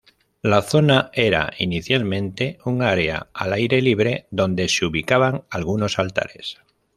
La zona era inicialmente un área al aire libre donde se ubicaban algunos altares.